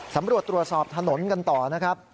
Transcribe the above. ตำรวจตรวจสอบถนนกันต่อนะครับ